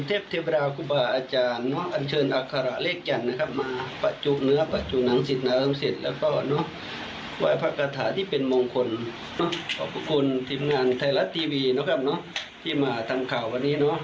ขอบพระคุณทีมงานไทรัตริวีที่มาทำข่าววันนี้